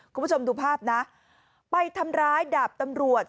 คุณผู้ชมดูภาพนะไปทำร้ายดาบตำรวจ